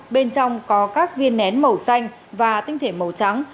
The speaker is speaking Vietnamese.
bên trong có các viên nén màu xanh và tinh thể màu trắng